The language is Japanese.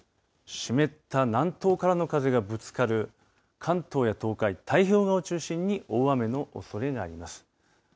湿った南東からの風がぶつかる関東や東海、太平洋側を中心に大雨のおそれがあります。